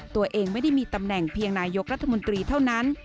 ตัวเองไม่ได้มีตำแหน่งเพียงนายกรัฐมนตรีเท่านั้น